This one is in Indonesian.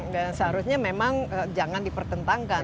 dan seharusnya memang jangan dipertentangkan